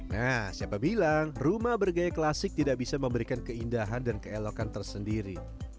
nah siapa bilang rumah bergaya klasik tidak bisa memberikan keindahan dan keelokan tersendiri